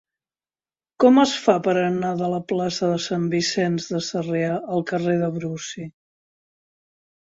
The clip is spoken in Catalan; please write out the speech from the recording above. Com es fa per anar de la plaça de Sant Vicenç de Sarrià al carrer de Brusi?